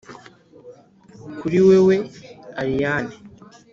kuri wewe, allayne.